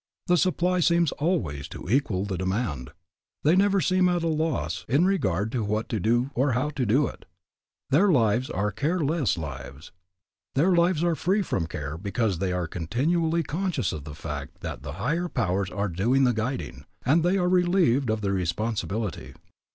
The supply seems always equal to the demand. They never seem at a loss in regard to what to do or how to do it. Their lives are care less lives. They are lives free from care because they are continually conscious of the fact that the higher powers are doing the guiding, and they are relieved of the responsibility.